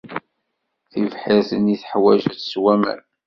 Tibḥirt-nni teḥwaj ad tsew aman.